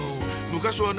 昔はね